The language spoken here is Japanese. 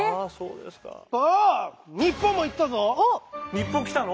日本来たの？